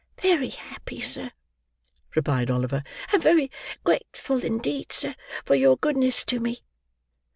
"Very happy, sir," replied Oliver. "And very grateful indeed, sir, for your goodness to me."